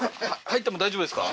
入っても大丈夫ですか？